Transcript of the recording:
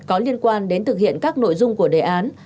có liên quan đến thực hiện các nội dung của đề án